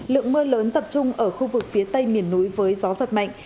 lượng mưa lớn tập trung ở khu vực phía tây miền núi với gió giật mạnh